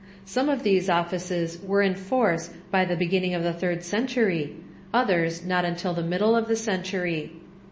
Some of these offices were in force by the beginning of the third century, others not until the middle of the century.